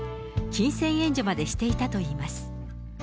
金銭援助までしていたといいます。